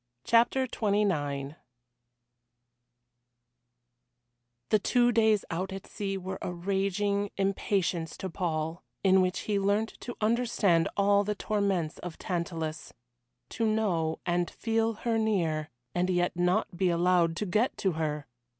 CHAPTER XXIX The two days out at sea were a raging impatience to Paul, in which he learnt to understand all the torments of Tantalus. To know and feel her near, and yet not to be allowed to get to her!